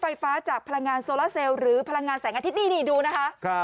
ไฟฟ้าจากพลังงานโซลาเซลหรือพลังงานแสงอาทิตย์นี่นี่ดูนะคะ